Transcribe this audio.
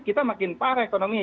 kita makin parah ekonominya